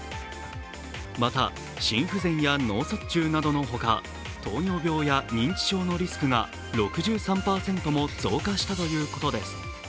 また、心不全や脳卒中などのほか、糖尿病や認知症のリスクが６３％も増加したということです。